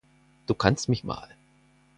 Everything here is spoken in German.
Du kannst mich mal!